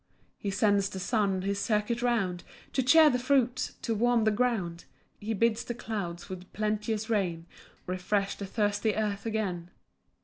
2 He sends the sun his circuit round, To cheer the fruits, to warm the ground; He bids the clouds with plenteous rain Refresh the thirsty earth again.